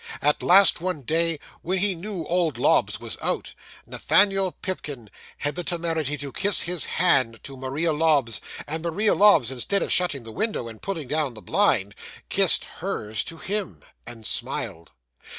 At last, one day when he knew old Lobbs was out, Nathaniel Pipkin had the temerity to kiss his hand to Maria Lobbs; and Maria Lobbs, instead of shutting the window, and pulling down the blind, kissed _hers _to him, and smiled.